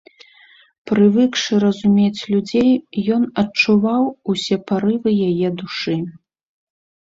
Прывыкшы разумець людзей, ён адчуваў усе парывы яе душы.